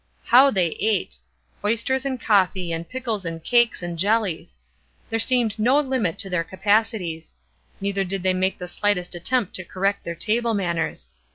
How they ate! Oysters and coffee and pickles and cakes and jellies! There seemed no limit to their capacities; neither did they make the slightest attempt to correct their table manners.